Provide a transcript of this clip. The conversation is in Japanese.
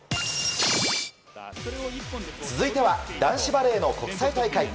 続いては男子バレーの国際大会。